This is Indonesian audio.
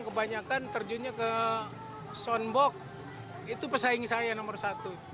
pembeli soundbox itu pesaing saya nomor satu